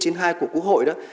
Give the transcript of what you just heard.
chính hai của quốc hội đó